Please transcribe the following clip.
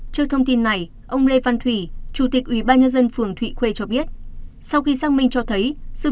trước thông tin này ông lê văn thủy chủ tịch ủy ban nhân dân phường thụy khuê cho biết